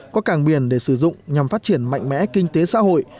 có cảng biển để sử dụng nhằm phát triển mạnh mẽ kinh tế xã hội